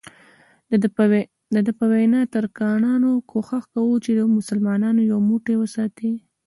دده په وینا ترکانو کوښښ کاوه مسلمانان یو موټی وساتي.